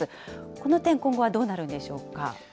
この点、今後はどうなるんでしょうか。